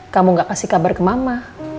kamu tidak memberi kabar kepada mama